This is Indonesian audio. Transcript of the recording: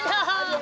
tidak tidak tidak